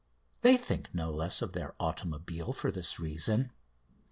They think no less of their automobile for this reason.